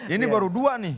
ini baru dua nih